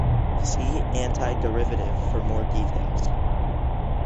See antiderivative for more details.